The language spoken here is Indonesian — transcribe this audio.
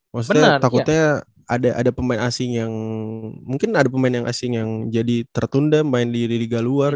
maksudnya takutnya ada pemain asing yang mungkin ada pemain yang asing yang jadi tertunda main di liga luar